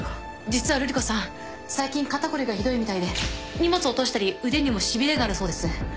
実はるり子さん最近肩凝りがひどいみたいで荷物を落としたり腕にもしびれがあるそうです。